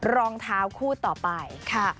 รองเท้าคู่ต่อไปค่ะ